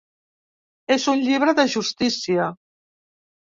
És un llibre de justícia.